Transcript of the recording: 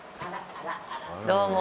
どうも。